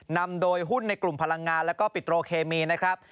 นำโดยหุ้นในกลุ่มพลังงานแล้วก็ปิโตรเคมีนะครับ